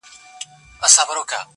ته به نسې سړی زما د سترګو توره,